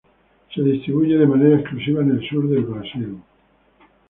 Se distribuye de manera exclusiva en el sur del Brasil.